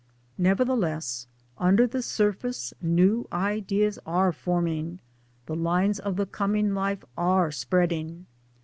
Nevertheless under the surface new ideas are form 1 ing, the lines of the coming life are spreading.